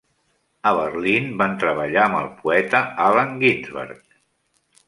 A Berlin van treballar amb el poeta Allen Ginsberg.